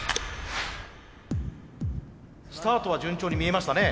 スタートは順調に見えましたね。